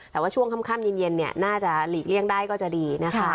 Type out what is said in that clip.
แต่ว่าช่วงค่ำเย็นน่าจะหลีกเลี่ยงได้ก็จะดีนะคะ